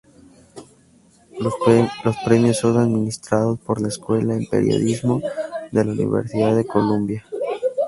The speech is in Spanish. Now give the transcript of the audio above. Los premios son administrados por la Escuela de Periodismo de la Universidad de Columbia.